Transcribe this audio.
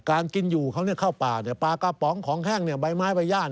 การกินอยู่เขาเข้าป่าปลากระป๋องของแห้งใบไม้ใบย่าง